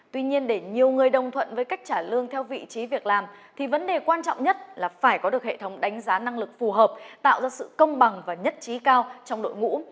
tuy nhiên để nhiều người đồng thuận với cách trả lương theo vị trí việc làm thì vấn đề quan trọng nhất là phải có được hệ thống đánh giá năng lực phù hợp tạo ra sự công bằng và nhất trí cao trong đội ngũ